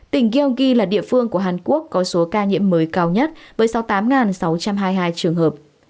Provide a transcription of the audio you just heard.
tỉnh gyeonggi là địa phương của hàn quốc có số ca nhiễm mới cao nhất với sáu mươi tám sáu trăm hai mươi hai trường hợp